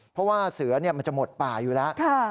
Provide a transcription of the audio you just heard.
เพราะว่าเสือมันจะหมดป่าอยู่แล้ว